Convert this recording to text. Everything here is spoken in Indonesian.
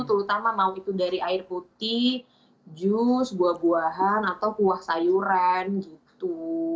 terutama mau itu dari air putih jus buah buahan atau kuah sayuran gitu